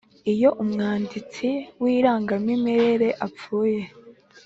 Iyo umwanditsi w irangamimerere apfuye